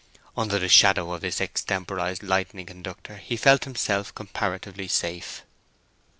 Under the shadow of this extemporized lightning conductor he felt himself comparatively safe.